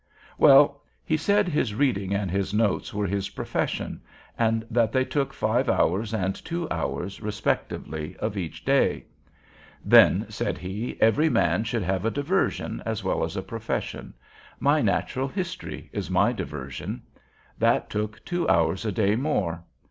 Well, he said his reading and his notes were his profession, and that they took five hours and two hours respectively of each day. "Then," said he, "every man should have a diversion as well as a profession. My Natural History is my diversion." That took two hours a day more.